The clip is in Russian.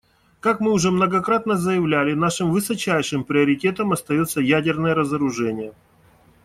Как мы уже многократно заявляли, нашим высочайшим приоритетом остается ядерное разоружение.